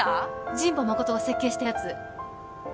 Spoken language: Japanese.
真保誠が設計したやつ